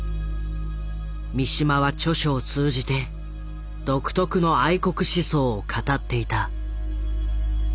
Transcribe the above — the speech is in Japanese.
三島は著書を通じて独特の愛国思想を語っていた。